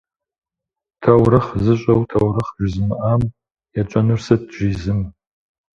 Таурыхъ зыщӏэу таурыхъ жызымыӏам етщӏэнур сыт?- жи зым.